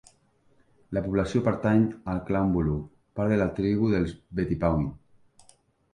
La població pertany al clan Bulu, part de la tribu dels Beti-Pahuin.